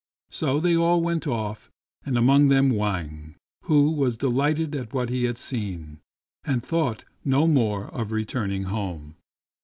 So they all went off, and among them Wang, who was delighted at what he had seen, and thought no more of returning home.